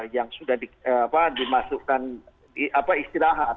yang sudah dimasukkan istirahat